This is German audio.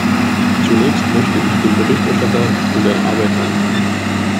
Zunächst möchte ich dem Berichterstatter für seine Arbeit danken.